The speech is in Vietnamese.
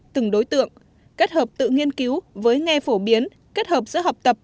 từng đối tượng kết hợp tự nghiên cứu với nghe phổ biến kết hợp giữa học tập